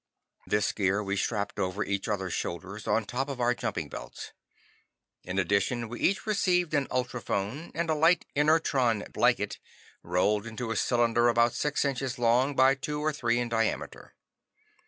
This gear we strapped over each other's shoulders, on top of our jumping belts. In addition, we each received an ultrophone, and a light inertron blanket rolled into a cylinder about six inches long by two or three in diameter.